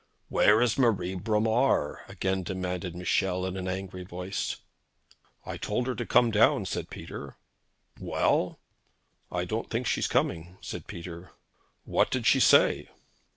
'Where is Marie Bromar?' again demanded Michel in an angry voice. 'I told her to come down,' said Peter. 'Well?' 'I don't think she's coming,' said Peter. 'What did she say?'